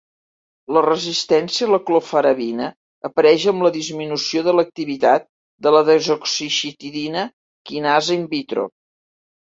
La resistència a la clofarabina apareix amb la disminució de l'activitat de la desoxicitidina quinasa in vitro.